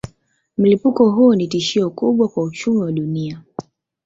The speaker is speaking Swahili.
Mlipuko huo ni tishio kubwa kwa uchumi wa dunia.